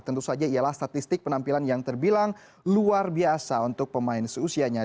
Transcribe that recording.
tentu saja ialah statistik penampilan yang terbilang luar biasa untuk pemain seusianya